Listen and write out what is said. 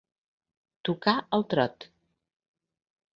Tocar el trot.